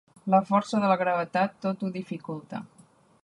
La força de la gravetat tot ho dificulta.